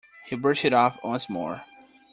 He brushed it off once more.